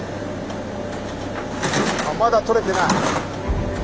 あまだ取れてない。